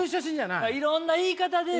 いろんな言い方で。